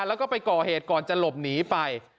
แล้วก็ไปก่อเหตุก่อนจะหลบหนีไป